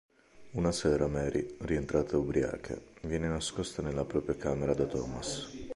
Una sera Mary, rientrata ubriaca, viene nascosta nella propria camera da Thomas.